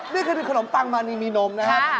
นี่คือขนมปังมานีมีนมนะครับ